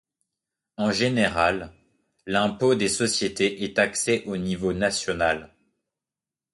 En général, l’impôt des sociétés est taxé au niveau national.